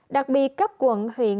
đặc biệt cấp quận huyện